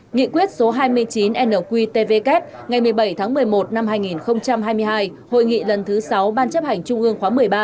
nghị quyết số hai mươi chín nqtvk ngày một mươi bảy tháng một mươi một năm hai nghìn hai mươi hai hội nghị lần thứ sáu ban chấp hành trung ương khóa một mươi ba